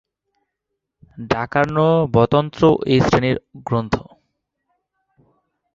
ডাকার্ণবতন্ত্রও এ শ্রেণির গ্রন্থ।